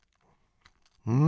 うん！